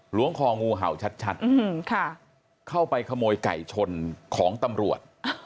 วงคองูเห่าชัดเข้าไปขโมยไก่ชนของตำรวจ